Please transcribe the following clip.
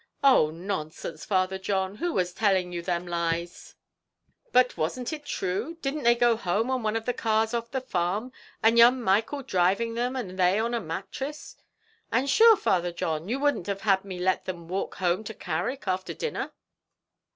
"Oh, nonsense, Father John! who was telling you them lies?" "But wasn't it true? Didn't they go home on one of the cars off the farm, and young Michael driving them, and they on a mattress?" "And sure, Father John, you wouldn't have had me let them walk home to Carrick after dinner?"